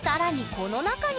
この中に？